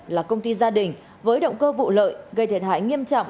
là công ty gia đình với động cơ vụ lợi gây thiệt hại nghiêm trọng